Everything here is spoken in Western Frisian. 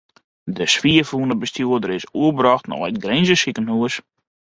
De swier ferwûne bestjoerder is oerbrocht nei it Grinzer sikehús.